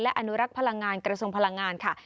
อนุรักษ์พลังงานกระทรวงพลังงานค่ะ